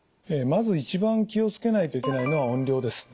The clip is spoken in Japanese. まず一番気を付けないといけないのは音量です。